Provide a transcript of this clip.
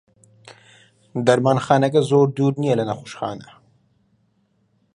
دەرمانخانەکە زۆر دوور نییە لە نەخۆشخانە.